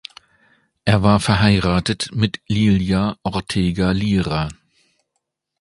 Er war verheiratet mit "Lilia Ortega Lira".